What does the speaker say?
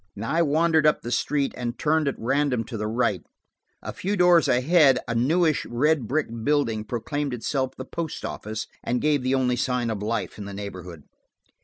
I wandered up the street and turned at random to the right; a few doors ahead a newish red brick building proclaimed itself the post office, and gave the only sign of life in the neighborhood.